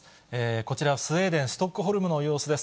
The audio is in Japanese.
こちらはスウェーデン・ストックホルムの様子です。